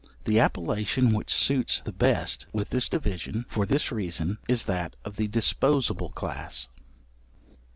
The appellation which suits the best with this division, for this reason, is that of the disposable class.